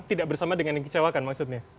tidak bersama dengan yang dikecewakan maksudnya